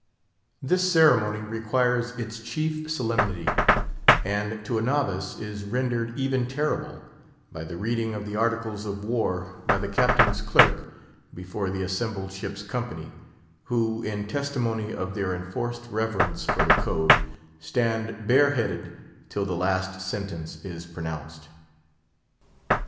This ceremony acquires its chief solemnity, and, to a novice, is rendered even terrible, by the reading of the Articles of War by the Captain's clerk before the assembled ship's company, who in testimony of their enforced reverence for the code, stand bareheaded till the last sentence is pronounced.